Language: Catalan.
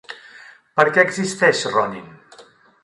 Per què existeix Ronin?